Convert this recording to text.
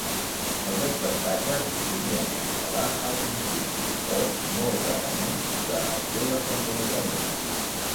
Els espectacles es podien cancel·lar al principi o, molt rarament, durant el seu desenvolupament.